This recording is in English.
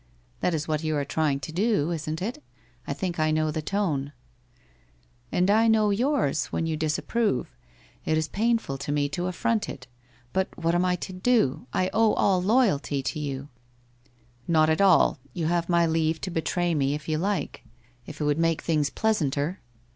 That is what you are trying to do, isn't it? I think I know the tone '' And I know yours, when you disapprove. It is painful to me t" affront it. l.ut what am I to do? I owe all loyalty to you ' 141 148 WHITE ROSE OF WEARY LEAF i Not at all. You have my leave to betray me if you like. If it would make things pleasanter.